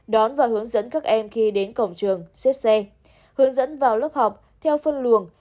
đón và hướng dẫn các em khi đến cổng trường xếp xe hướng dẫn vào lớp học theo phân luồng